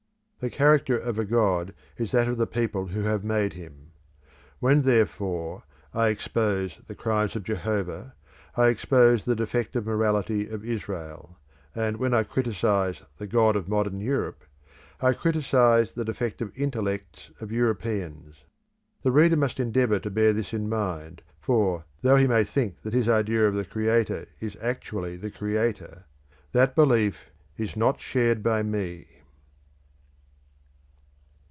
The character of a god is that of the people who have made him. When, therefore, I expose the crimes of Jehovah, I expose the defective morality of Israel; and when I criticise the God of modern Europe, I criticise the defective intellects of Europeans. The reader must endeavour to bear this in mind, for, though he may think that his idea of the creator is actually the Creator, that belief is not shared by me.